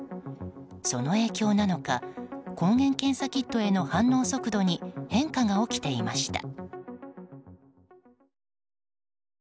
その影響なのか抗原検査キットへの反応速度に変化が起きていました。